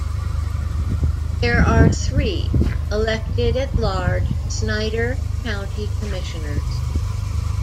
There are three, elected at large, Snyder County Commissioners.